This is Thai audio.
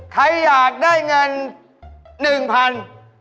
ใครอยากได้เงินหนึ่งพัน